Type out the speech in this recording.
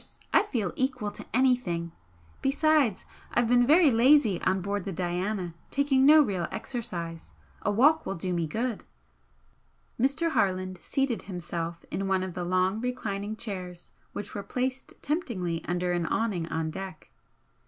I feel equal to anything! Besides, I've been very lazy on board the 'Diana,' taking no real exercise. A walk will do me good." Mr. Harland seated himself in one of the long reclining chairs which were placed temptingly under an awning on deck.